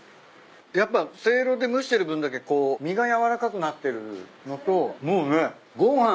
やっぱせいろで蒸してる分だけこう身が軟らかくなってるのともうねご飯